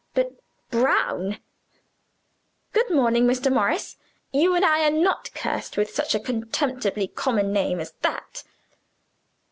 But 'Brown'! Good morning, Mr. Morris; you and I are not cursed with such a contemptibly common name as that!